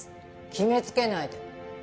決めつけないで。